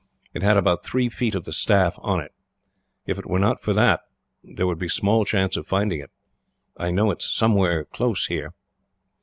It had about three feet of the staff on it. If it were not for that, there would be small chance of finding it. I know it is somewhere close here."